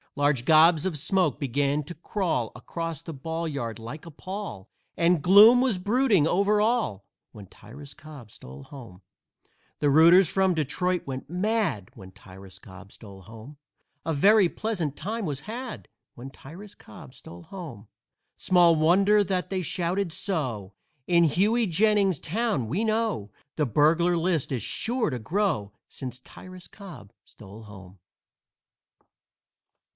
Large gobs of smoke began to crawl Across the ball yard, like a pall, And gloom was brooding over all When Tyrus Cobb stole home. The rooters from Detroit went mad When Tyrus Cobb stole home. A very pleasant time was had When Tyrus Cobb stole home. Small wonder that they shouted so; In Hughey Jennings's town, we know, The burglar list is sure to grow Since Tyrus Cobb stole home.